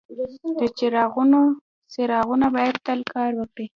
د چراغونو څراغونه باید تل کار وکړي.